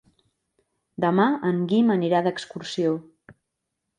Demà en Guim anirà d'excursió.